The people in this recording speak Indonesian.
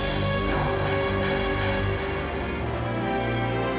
enggak ada yang berhenti sama aku